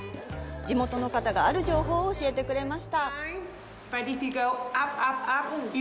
地元の方がある情報を教えてくれました。